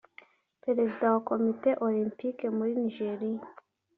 Peresida wa Komite Olympike muri Nigeria